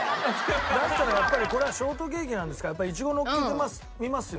だったらやっぱりこれはショートケーキなんですからやっぱいちごをのっけてみますよ。